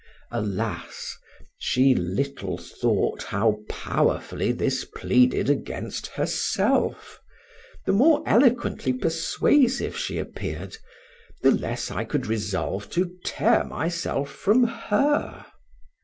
Alas! she little thought how powerfully this pleaded against herself; the more eloquently persuasive she appeared, the less could I resolve to tear myself from her.